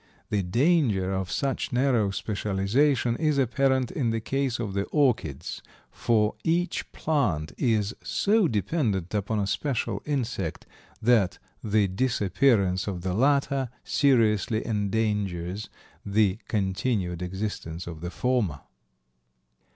The danger of such narrow specialization is apparent in the case of the orchids, for each plant is so dependent upon a special insect that the disappearance of the latter seriously endangers the continued existence of the former.